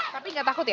tapi enggak takut ya